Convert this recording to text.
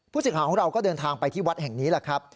สิทธิ์ของเราก็เดินทางไปที่วัดแห่งนี้แหละครับ